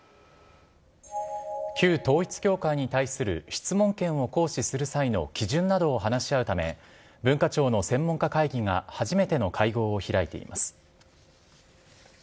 旧統一教会に対する質問権を行使する際の基準などを話し合うため、文化庁の専門家会議が初めての会合を開いています。